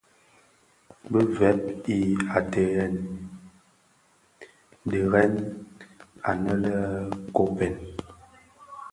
Bi veg i ateghèn diren aně le Koppen,